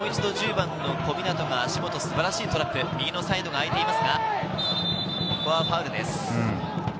もう一度１０番の小湊が足元、素晴らしいトラップ、右のサイドが空いています。